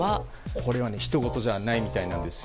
これは、ひとごとじゃないみたいなんですよ。